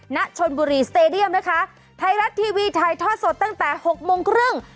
ณชนบุรีสเตดียมนะคะไทยรัฐทีวีถ่ายทอดสดตั้งแต่หกโมงครึ่ง